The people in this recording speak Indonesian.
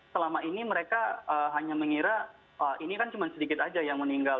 selama ini mereka hanya mengira ini kan cuma sedikit aja yang meninggal